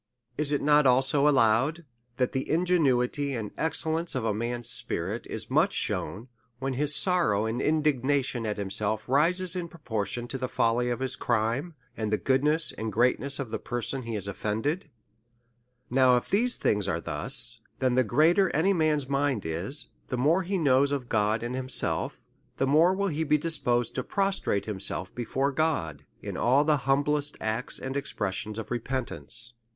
Is it not also allowed, that the in genuity and excellence of a man's spirit is much shewn, when his sorrow and indignation at himself rises in proportion to the folly of his crime, and the goodness and greatness of the person he has offended ? Now if things are thus, then the greater any man's mind is, the more he knows of God and himself, the more will he be disposed to prostrate himself before God, in all the humblest acts and expressions of repentance.